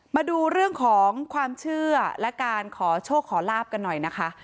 มาดูเรื่องของความเชื่อและการขอโชคขอลาบกันหน่อยนะคะ